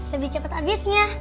lebih cepat abisnya